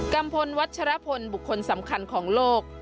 ัมพลวัชรพลบุคคลสำคัญของโลก